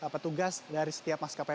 petugas dari setiap maskapai